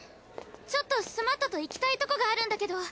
ちょっとスマットと行きたいとこがあるんだけど。